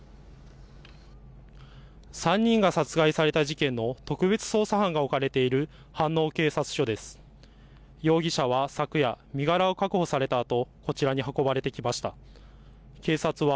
３人が殺害された事件の特別捜査班が置かれている飯能警察署です。